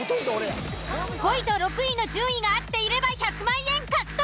５位と６位の順位が合っていれば１００万円獲得！